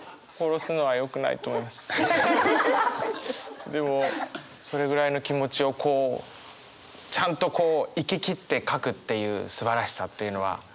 あのでもそれぐらいの気持ちをこうちゃんとこういききって書くっていうすばらしさっていうのはありますよね。